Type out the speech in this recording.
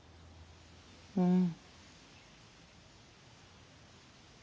うん。